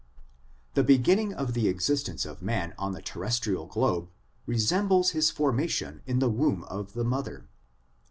The beginning of the existence of man on the terrestrial globe resembles his formation in the womb of the mother.